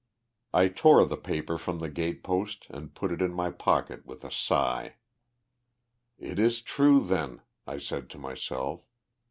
I tore the paper from the gate post and put it in my pocket with a sigh. "It is true, then," I said to myself.